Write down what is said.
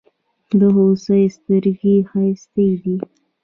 د هوسۍ ستړگي ښايستې دي.